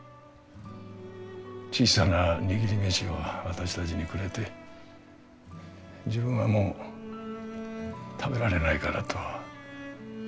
小さな握り飯を私たちにくれて自分はもう食べられないからと。